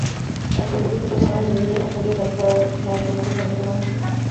একজন ব্যক্তির জন্য আইন ভেঙে অধ্যাদেশ জারি করায় নরেন্দ্র মোদির সমালোচনাও হয়েছিল।